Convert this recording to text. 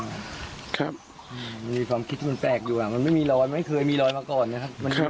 มีความคิดที่มันแปลกอยู่มันไม่มีรอยไม่เคยมีรอยมาก่อนนะครับ